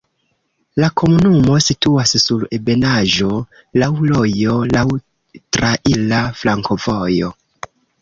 La komunumo situas sur ebenaĵo, laŭ rojo, laŭ traira flankovojo.